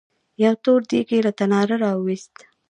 يو تور دېګ يې له تناره راوېست.